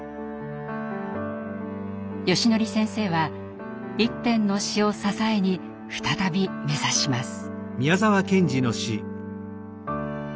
よしのり先生は一編の詩を支えに再び目指します。